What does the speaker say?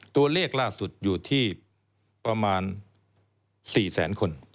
ตัวเลขล่าสุดอยู่ที่ประมาณ๔แสนคน